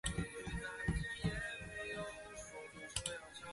杨武之是数理部里年级比他高的同学。